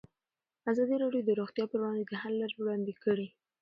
ازادي راډیو د روغتیا پر وړاندې د حل لارې وړاندې کړي.